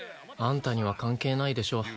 あんたには関係ないでしょ。